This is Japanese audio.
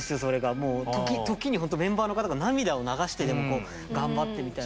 時にほんとメンバーの方が涙を流してでも頑張ってみたいな。